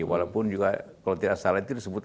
walaupun juga kalau tidak salah itu disebut